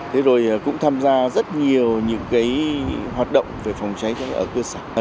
thế rồi cũng tham gia rất nhiều những hoạt động về phòng cháy cháy ở cơ sở